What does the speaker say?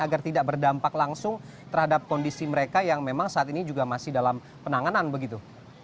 agar tidak berdampak langsung terhadap kondisi mereka yang memang saat ini juga masih dalam penanganan begitu